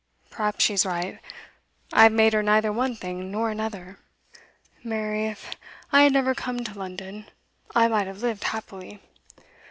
Perhaps she's right. I have made her neither one thing nor another. Mary, if I had never come to London, I might have lived happily.